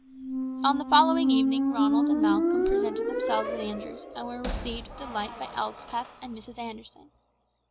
On the following evening Ronald and Malcolm presented themselves at Andrew's and were received with delight by Elspeth and Mrs. Anderson.